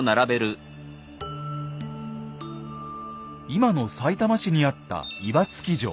今のさいたま市にあった岩槻城。